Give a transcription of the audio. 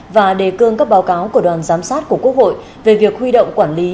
và đề cương các báo cáo của đoàn giám sát của quốc hội về việc huy động quản lý